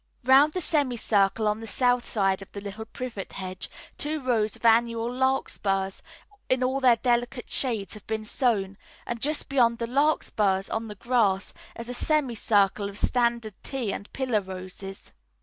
Round the semicircle on the south side of the little privet hedge two rows of annual larkspurs in all their delicate shades have been sown, and just beyond the larkspurs, on the grass, is a semicircle of standard tea and pillar roses.